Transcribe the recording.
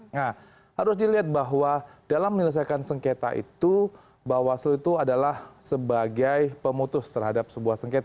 nah harus dilihat bahwa dalam menyelesaikan sengketa itu bawasluh itu adalah sebagai pemutus tersebut